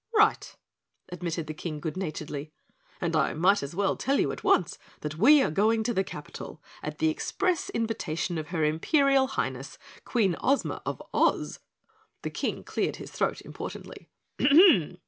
"Right," admitted the King good naturedly. "And I might as well tell you at once that we are going to the capital at the express invitation of her Imperial Highness, Queen Ozma of Oz!" The King cleared his throat importantly.